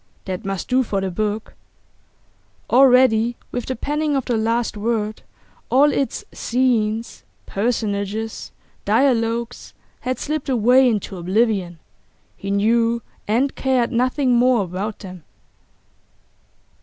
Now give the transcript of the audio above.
That must do for the book. Already, with the penning of the last word, all its scenes, personages, dialogues had slipped away into oblivion; he knew and cared nothing more about them.